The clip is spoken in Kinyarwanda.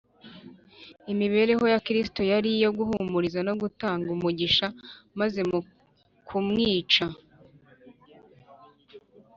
Imibereho ya Kristo yari iyo guhumuriza no gutanga umugisha, maze mu kumwica